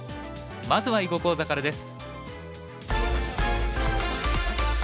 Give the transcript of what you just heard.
まずは囲碁講座からです。